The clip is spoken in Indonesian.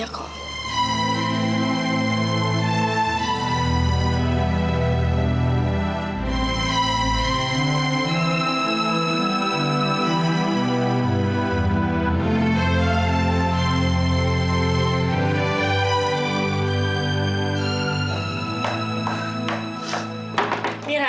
mereka saja sendiri